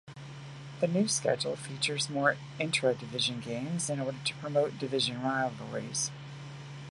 The new schedule features more intra-division games in order to promote division rivalries.